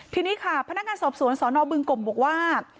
ทีนี้ค่ะพนักงานสอบสวนสนบึงกลมบอกว่า